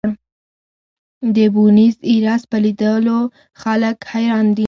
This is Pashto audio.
د بونیس ایرس په لیدو خلک حیران دي.